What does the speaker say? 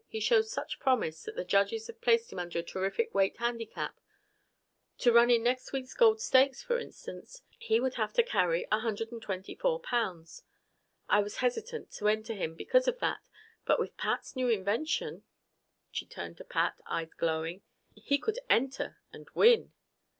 He shows such promise that the judges have placed him under a terrific weight handicap. To run in next week's Gold Stakes, for instance, he would have to carry 124 pounds. I was hesitant to enter him because of that. But with Pat's new invention " She turned to Pat, eyes glowing "he could enter and win!"